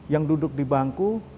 yang duduk di bangku